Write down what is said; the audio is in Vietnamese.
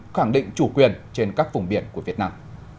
khẳng định chủ quyền trên các vùng biển của việt nam